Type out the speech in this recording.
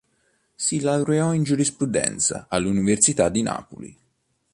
Si laureò in Giurisprudenza all'Università di Napoli.